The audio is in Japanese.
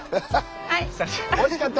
おいしかった？